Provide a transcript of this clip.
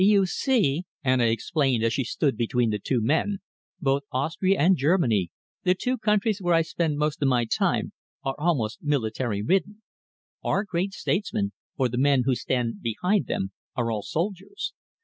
"You see," Anna explained, as she stood between the two men, "both Austria and Germany, the two countries where I spend most of my time, are almost military ridden. Our great statesmen, or the men who stand behind them, are all soldiers.